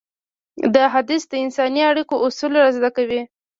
دا حديث د انساني اړيکو اصول رازده کوي.